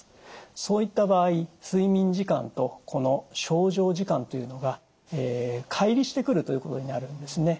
そういった場合睡眠時間とこの床上時間というのがかい離してくるということになるんですね。